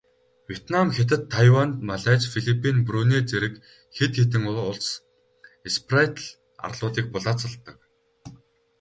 Вьетнам, Хятад, Тайвань, Малайз, Филиппин, Бруней зэрэг хэд хэдэн улс Спратл арлуудыг булаацалддаг.